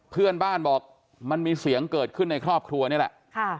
เพื่อนบ้านบอกมันมีเสียงเกิดขึ้นในครอบครัวนี่แหละ